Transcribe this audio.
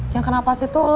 yang kenapa sih tuh lu